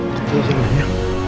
tunggu sebentar ya